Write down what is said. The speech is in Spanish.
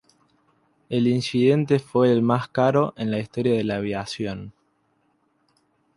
El incidente fue el más caro en la historia de la aviación.